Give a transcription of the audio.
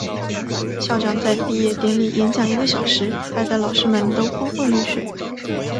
校长在毕业典礼演讲一个小时，害得老师们都昏昏欲睡。